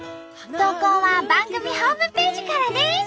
投稿は番組ホームページからです。